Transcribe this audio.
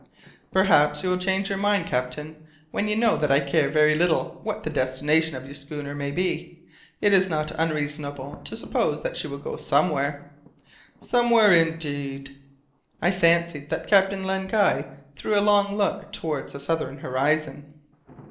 "Perhaps you will change your mind, captain, when you know that I care very little what the destination of your schooner may be. It is not unreasonable to suppose that she will go somewhere " "Somewhere indeed." I fancied that Captain Len Guy threw a long look towards the southern horizon.